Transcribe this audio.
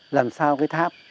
làm sao cái tháp